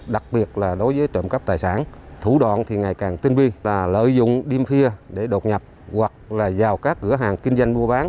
đối tượng kháng dùng kiềm cộng lực mang theo